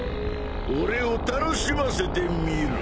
俺を楽しませてみろ。